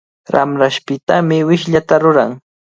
Ramrashpitami wishllataqa ruran.